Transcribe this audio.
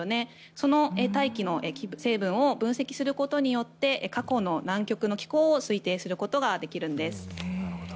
その大気の成分を分析することによって過去の南極の気候を推定することができるんです。